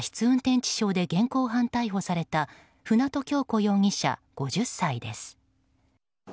運転致傷で現行犯逮捕された舟渡今日子容疑者、５０歳です。